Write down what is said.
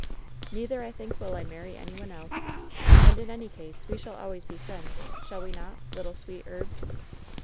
Neither, I think, will I marry any one else. And in any case, we shall always be friends, shall we not, little sweet herb?"